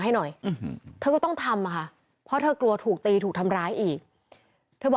หาเรื่องเตะเธอ